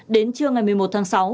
đến trưa ngày một mươi một tháng sáu